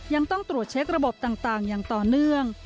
ยังต้องตรวจเช็คระบบต่างอย่างต่อเนื่อง